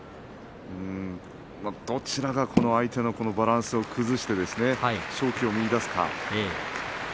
どちらが相手のバランスを崩して勝機を見いだすか。